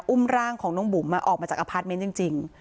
อุ้มร่างของน้องบุ๋มออกมาจากอพาร์ทเมนต์จริง